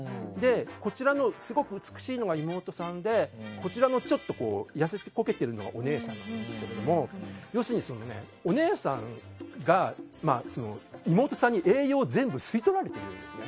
こちらのすごく美しいのが妹さんでちょっと痩せこけているのがお姉さんなんですけど要するにお姉さんが妹さんに栄養を全部吸い取られているんですね。